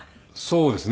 そうですね。